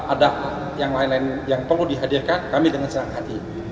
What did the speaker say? ada yang lain lain yang perlu dihadirkan kami dengan sangat hati hati